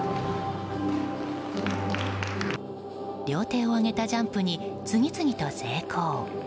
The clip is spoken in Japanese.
両手を上げたジャンプに次々と成功。